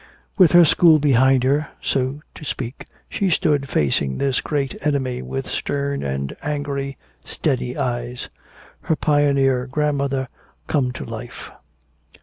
With her school behind her, so to speak, she stood facing this great enemy with stern and angry, steady eyes. Her pioneer grandmother come to life.